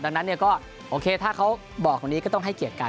ดังนั้นก็โอเคถ้าเขาบอกตรงนี้ก็ต้องให้เกียรติกัน